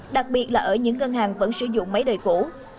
đặc biệt là ở những ngân hàng vẫn sử dụng máy đời cũ